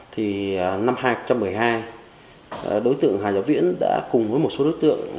thì năm hai nghìn một mươi hai đối tượng hà giáo viễn đã cùng với một số đối tượng